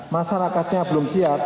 masyarakatnya belum siap